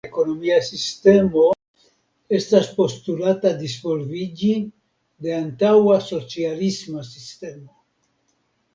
La tute evoluinta komunisma ekonomia sistemo estas postulata disvolviĝi de antaŭa socialisma sistemo.